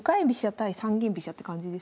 対三間飛車って感じですね。